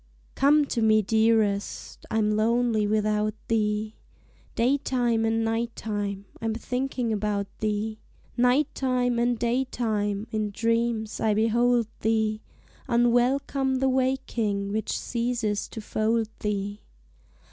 Come to me, dearest, I'm lonely without thee, Daytime and night time, I'm thinking about thee; Night time and daytime, in dreams I behold thee; Unwelcome the waking which ceases to fold thee.